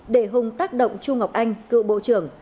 để hùng tác động chu ngọc anh cựu bộ trưởng